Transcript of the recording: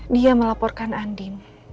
dia melaporkan andin